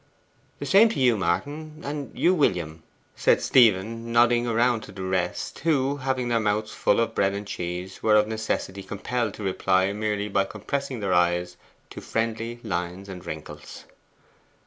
'The same to you, Martin; and you, William,' said Stephen, nodding around to the rest, who, having their mouths full of bread and cheese, were of necessity compelled to reply merely by compressing their eyes to friendly lines and wrinkles.